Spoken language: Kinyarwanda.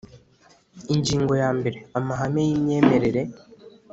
Ingingo ya mbere Amahame y imyemerere